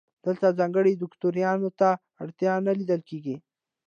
دلته ځانګړي دوکتورین ته اړتیا نه لیدل کیږي.